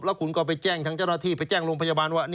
แล้วคุณก็ไปแจ้งทางเจ้าหน้าที่ไปแจ้งโรงพยาบาลว่า